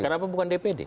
kenapa bukan dpd